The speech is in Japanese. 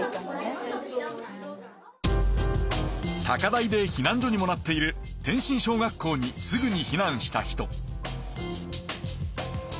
高台で避難所にもなっている天真小学校にすぐに避難した人。